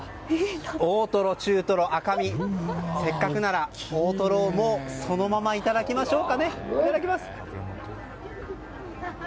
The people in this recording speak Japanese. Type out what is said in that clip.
大トロ、中トロ、赤身せっかくなら大トロをそのままいただきましょう。